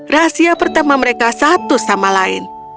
rahasia pertama mereka satu sama lain